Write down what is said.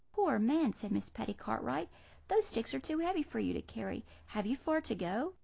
"'Poor man!' said Miss Patty Cartwright, 'those sticks are too heavy for you to carry. Have you far to go?'